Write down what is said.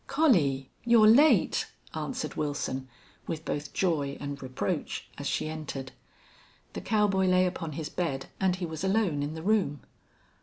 "Collie, you're late," answered Wilson, with both joy and reproach, as she entered. The cowboy lay upon his bed, and he was alone in the room.